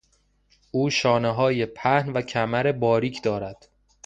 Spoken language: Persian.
او شانههای پهن و کمر باریک دارد.